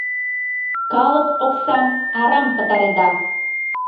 — Калык оксам арам пытареда!..